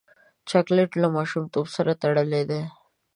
چاکلېټ له ماشومتوب سره تړلی دی.